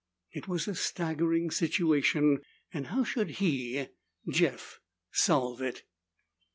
It was a staggering situation and how should he, Jeff, solve it?